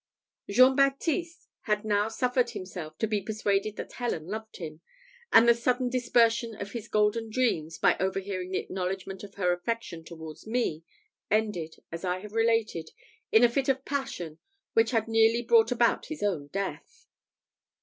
Jean Baptiste had now suffered himself to be persuaded that Helen loved him; and the sudden dispersion of his golden dreams, by overhearing the acknowledgment of her affection towards me, ended, as I have related, in the fit of passion which had nearly brought about his own death.